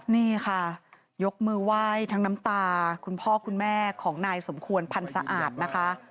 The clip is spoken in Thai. นี่ค่ะยกมือไหว้ทั้งน้ำตาคุณพ่อคุณแม่ของนายสมควรพันธ์สะอาดนะคะ